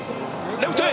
レフトへ。